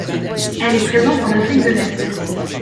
Elle est présente en Afrique de l'Est.